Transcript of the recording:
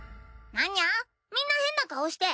みんな変な顔して。